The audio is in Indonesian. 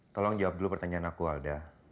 tolong jawab dulu pertanyaan aku alda